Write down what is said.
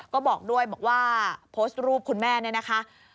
ก็บอกด้วยบอกว่าโพสต์รูปคุณแม่เนี่ยนะคะ